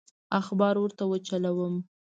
اخبار ورته وچلوم.